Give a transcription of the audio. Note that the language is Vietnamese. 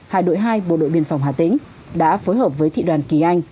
hải đội hai bộ đội biên phòng hà tĩnh đã phối hợp với thị đoàn kỳ anh